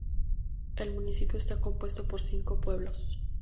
El municipio está compuesto por cinco pueblos.